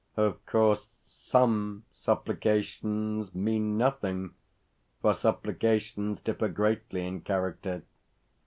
Of course, SOME supplications mean nothing (for supplications differ greatly in character).